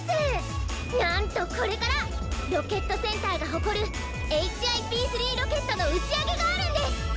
なんとこれからロケットセンターがほこるＨＩＰ−３ロケットのうちあげがあるんです！